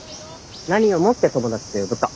何をもって友達と呼ぶか。